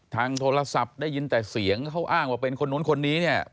ทางโทรศัพท์ได้ยินแต่เสียงเขาอ้างว่าเป็นคนนู้นคนนี้เนี่ย